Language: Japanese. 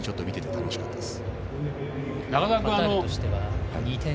見ていて楽しかったです。